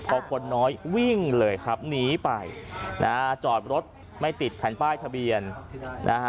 พอคนน้อยวิ่งเลยครับหนีไปนะฮะจอดรถไม่ติดแผ่นป้ายทะเบียนนะฮะ